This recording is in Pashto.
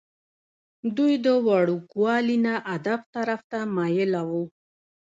دوي د وړوکوالي نه ادب طرف ته مائله وو ۔